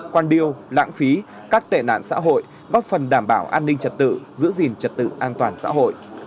quan điêu lãng phí các tệ nạn xã hội góp phần đảm bảo an ninh trật tự giữ gìn trật tự an toàn xã hội